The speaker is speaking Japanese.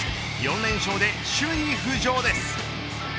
４連勝で首位浮上です。